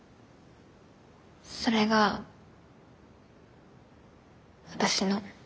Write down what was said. それが私の。